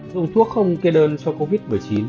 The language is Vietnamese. dùng thuốc không kê đơn cho covid một mươi chín